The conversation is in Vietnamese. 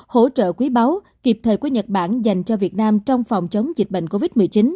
hỗ trợ quý báu kịp thời của nhật bản dành cho việt nam trong phòng chống dịch bệnh covid một mươi chín